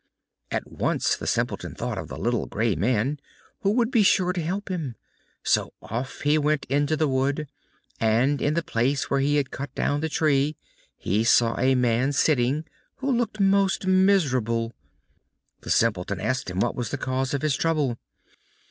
At once the Simpleton thought of the little grey man, who would be sure to help him, so off he went into the wood, and in the place where he had cut down the tree he saw a man sitting who looked most miserable. The Simpleton asked him what was the cause of his trouble.